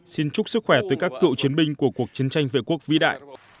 xin chúc sức khỏe tới các cựu chiến binh của cuộc chiến tranh vệ quốc vĩ đại